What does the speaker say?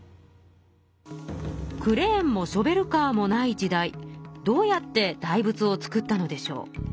クレーンもショベルカーもない時代どうやって大仏を造ったのでしょう？